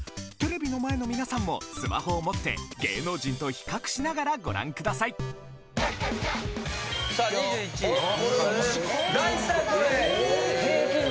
テレビの前の皆さんも、スマホを持って芸能人と比較しながらご覧さあ２１位。